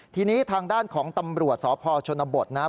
ทีนี้ทางด้านของตำรวจสพชนบทนะครับ